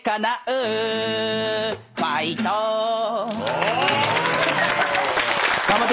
お！